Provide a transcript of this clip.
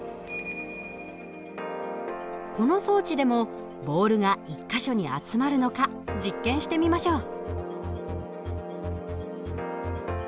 この装置でもボールが１か所に集まるのか実験してみましょう。